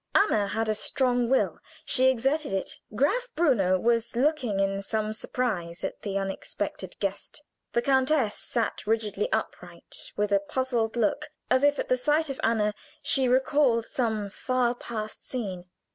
Anna had a strong will, she exerted it. Graf Bruno was looking in some surprise at the unexpected guest; the countess sat rigidly upright, with a puzzled look, as if at the sight of Anna she recalled some far past scene.